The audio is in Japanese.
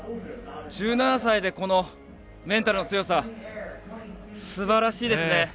１７歳で、このメンタルの強さすばらしいですね。